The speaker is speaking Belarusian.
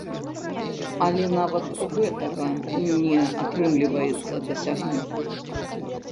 Але нават гэтага не атрымліваецца дасягнуць.